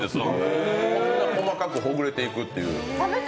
こんな細かくほぐれていくという。